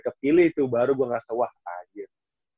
kepilih tuh baru gua ngerasa wah kaget